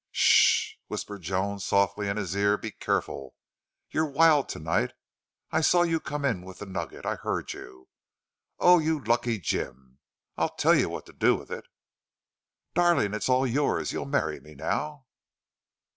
"Ssssh!" whispered Joan, softly, in his ear. "Be careful. You're wild to night.... I saw you come in with the nugget. I heard you.... Oh, you lucky Jim! I'll tell you what to do with it!" "Darling! It's all yours. You'll marry me now?"